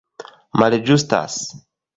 malĝustas